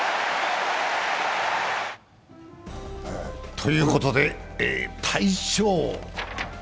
ということで大勝。